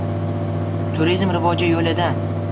Turizm rivoji yo‘lida